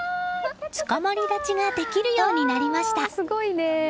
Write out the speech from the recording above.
つかまり立ちができるようになりました。